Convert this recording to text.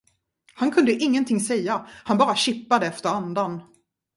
Han kunde ingenting säga, han bara kippade efter andan.